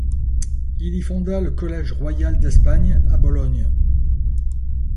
Il y fonda le Collège royal d'Espagne à Bologne.